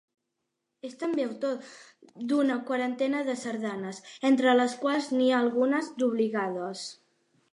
És també autor d'una quarantena de sardanes, entre les quals n'hi ha algunes d'obligades.